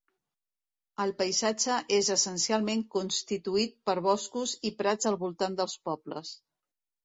El paisatge és essencialment constituït per boscos i prats al voltant dels pobles.